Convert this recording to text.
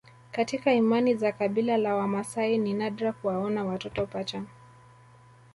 Katika imani za kabila la Wamaasai ni nadra kuwaona watoto pacha